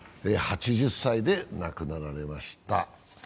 ８０歳で亡くなられました。